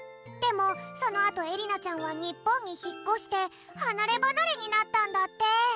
でもそのあとえりなちゃんは日本にひっこしてはなればなれになったんだって。